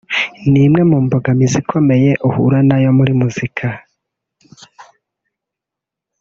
ni imwe mu mbogamizi ikomeye ahura nayo muri muzika